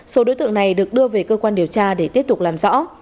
số đối tượng này được đưa về cơ quan điều tra để tiếp tục làm rõ